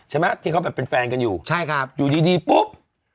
ใช่ไหมที่เขาแบบเป็นแฟนกันอยู่ใช่ครับอยู่ดีดีปุ๊บ